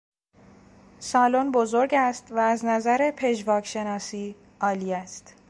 سالن بزرگ است و از نظر پژواک شناسی عالی است.